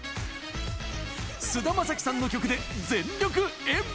菅田将暉さんの曲で全力演舞。